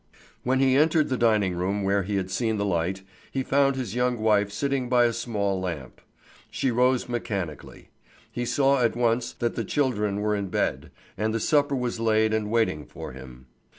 When he entered the dining room where he had seen the light, he found his young wife sitting by a small lamp. She rose mechanically. He saw at once that the children were in bed, and the supper was laid and waiting for him.